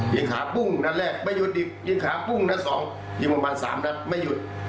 ขาปุ้งนัดแรกไม่หยุดยิงขาปุ้งนัดสองยิงประมาณสามนัดไม่หยุด